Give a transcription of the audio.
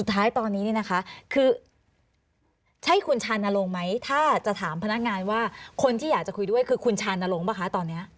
ท้ายตอนนี้เนี่ยนะคะคือใช่คุณชานลงไหมถ้าจะถามพนักงานว่าคนที่อยากจะคุยด้วยคือคุณชานลงป่ะคะตอนนี้